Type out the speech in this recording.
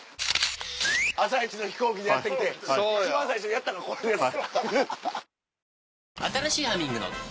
朝イチの飛行機でやって来て一番最初にやったんがこれです。